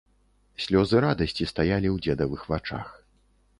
Слёзы радасці стаялі ў дзедавых вачах.